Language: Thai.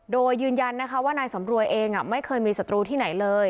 โดยยืนยันนะคะว่านายสำรวยเองไม่เคยมีศัตรูที่ไหนเลย